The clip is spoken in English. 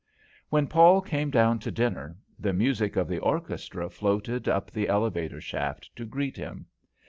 When Paul came down to dinner, the music of the orchestra floated up the elevator shaft to greet him.